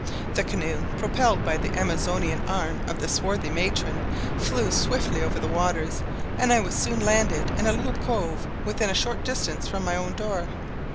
The canoe, propelled by the Amazonian arm of the swarthy matron, flew swiftly over the waters, and I was soon landed in a little cove within a short distance from my own door.